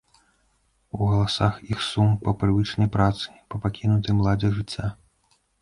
У галасах іх сум па прывычнай працы, па пакінутым ладзе жыцця.